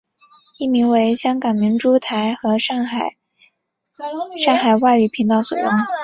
译名为香港明珠台和上海上海外语频道所用。